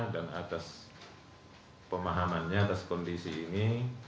dan atas pemahamannya atas kondisi ini